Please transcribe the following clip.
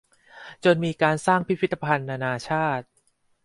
จนมีการสร้างพิพิธภัณฑ์นานาชาติ